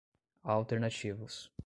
alternativos